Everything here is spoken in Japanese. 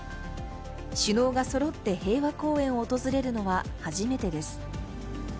首脳がそろって平和公園を訪れるのは初めてです。